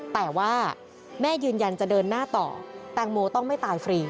แต่ว่าแม่ยืนยันจะเดินหน้าต่อแตงโมต้องไม่ตายฟรี